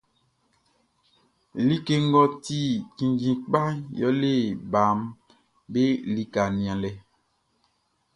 Like ngʼɔ ti kinndjin kpaʼn yɛle baʼm be lika nianlɛʼn.